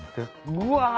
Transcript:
うわ！